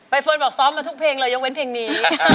เฟิร์นบอกซ้อมมาทุกเพลงเลยยกเว้นเพลงนี้